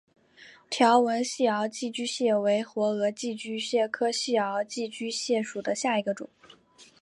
条纹细螯寄居蟹为活额寄居蟹科细螯寄居蟹属下的一个种。